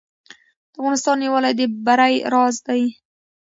د افغانستان یووالی د بری راز دی